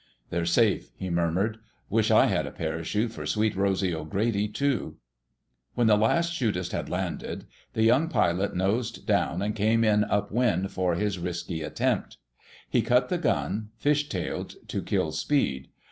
"They're safe!" he murmured. "Wish I had a parachute for Sweet Rosy O'Grady, too!" When the last 'chutist had landed, the young pilot nosed down and came in up wind for his risky attempt. He cut the gun, fishtailed to kill speed.